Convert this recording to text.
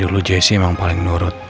dari dulu jessy emang paling nurut